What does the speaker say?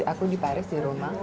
aku di paris di rumah